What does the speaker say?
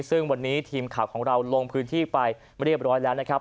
ซึ่งวันนี้ทีมข่าวของเราลงพื้นที่ไปเรียบร้อยแล้วนะครับ